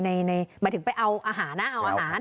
หมายถึงไปเอาอาหารนะเอาอาหาร